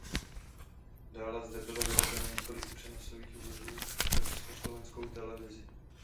Dále zde bylo vyrobeno několik přenosových vozů pro československou televizi.